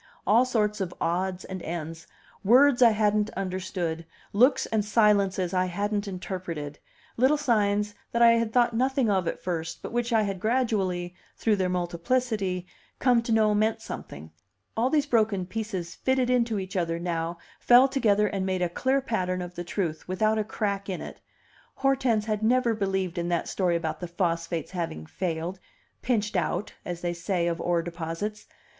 All sorts of odds and ends, words I hadn't understood, looks and silences I hadn't interpreted, little signs that I had thought nothing of at first, but which I had gradually, through their multiplicity, come to know meant something, all these broken pieces fitted into each other now, fell together and made a clear pattern of the truth, without a crack in it Hortense had never believed in that story about the phosphates having failed "pinched out," as they say of ore deposits.